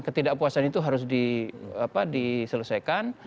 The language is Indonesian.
ketidakpuasan itu harus diselesaikan